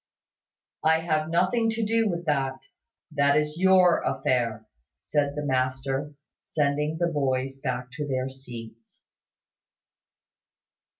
"I have nothing to do with that. That is your affair," said the master, sending the boys back to their seats.